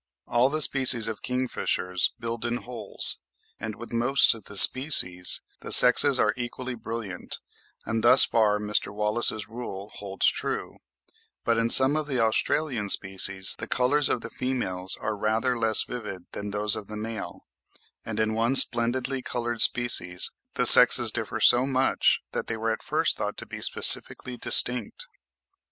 All the species of kingfishers build in holes, and with most of the species the sexes are equally brilliant, and thus far Mr. Wallace's rule holds good; but in some of the Australian species the colours of the females are rather less vivid than those of the male; and in one splendidly coloured species, the sexes differ so much that they were at first thought to be specifically distinct.